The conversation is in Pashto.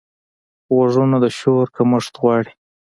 غوږونه د شور کمښت غواړي